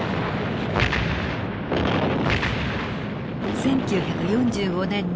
１９４５年２月。